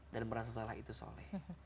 dan merasa salah itu soleh